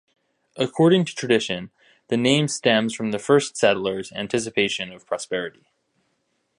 According to tradition, the name stems from the first settlers' anticipation of prosperity.